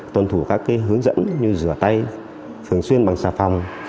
tuân thủ các hướng dẫn như rửa tay thường xuyên bằng xà phòng